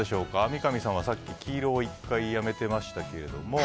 三上さんは、さっき黄色を１回やめてましたけど。